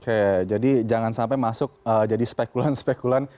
oke jadi jangan sampai masuk jadi spekulan spekulan